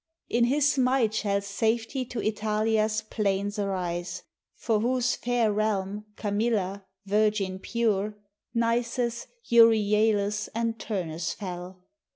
In his might Shall safety to Italia's plains arise, For whose fair realm, Camilla, virgin pure, Nisus, Euryalus, and Turnus fell.